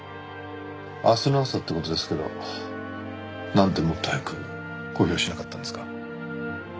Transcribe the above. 明日の朝って事ですけどなんでもっと早く公表しなかったんですか？